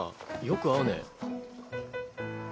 よく会うね。